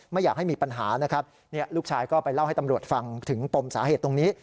ไม่อยากให้มีปัญหานะครับลูกชายก็ไปเล่าให้ตำรวจฟังถึงปมสาเหตุตรงนี้